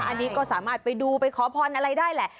อันนี้ก็สามารถไปดูไปขอพรอะไรได้แหละ